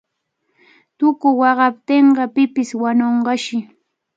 Tuku waqaptinqa pipish wañunqashi.